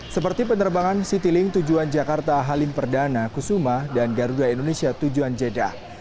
seperti penerbangan citylink tujuan jakarta halim perdana kusuma dan garuda indonesia tujuan jeddah